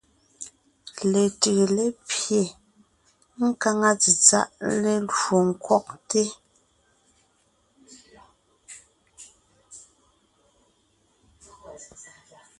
Letʉʉ lépye, nkáŋa tsetsáʼ lélwo ńkwɔgte.